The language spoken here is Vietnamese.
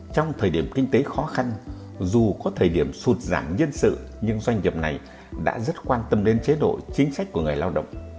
trong thời điểm kinh tế khó khăn dù có thời điểm sụt giảm nhân sự nhưng doanh nghiệp này đã rất quan tâm đến chế độ chính sách của người lao động